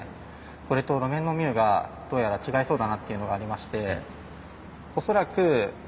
これと路面のミューがどうやら違いそうだなっていうのがありまして恐らく滑る。